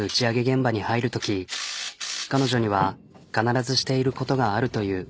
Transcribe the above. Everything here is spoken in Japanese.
現場に入るとき彼女には必ずしていることがあるという。